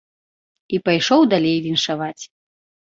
І пайшоў далей віншаваць.